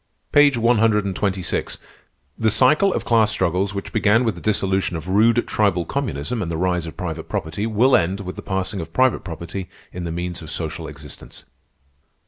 "Page one hundred and twenty six: 'The cycle of class struggles which began with the dissolution of rude, tribal communism and the rise of private property will end with the passing of private property in the means of social existence.